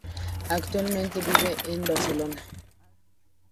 Actualmente, vive en Barcelona.